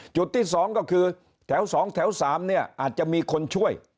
จุดที่๒ก็คือแถว๒แถว๓เนี่ยอาจจะมีคนช่วย